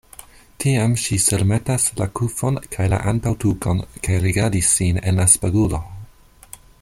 Tiam ŝi surmetas la kufon kaj la antaŭtukon kaj rigardas sin en la spegulo.